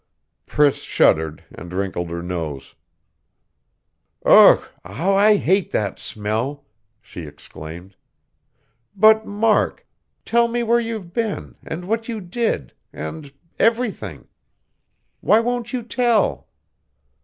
Priss shuddered, and wrinkled her nose. "Ugh, how I hate that smell," she exclaimed. "But, Mark tell me where you've been, and what you did, and everything. Why won't you tell?"